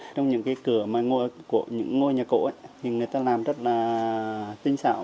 trong những cái cửa của những ngôi nhà cổ thì người ta làm rất là tinh xạo